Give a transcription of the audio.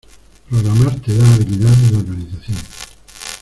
Programar te da habiliades de organización.